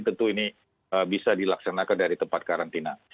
tentu ini bisa dilaksanakan dari tempat karantina